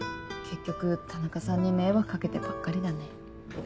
結局田中さんに迷惑掛けてばっかりだね。